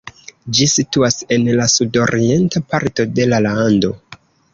Ĝi situas en la sudorienta parto de la lando.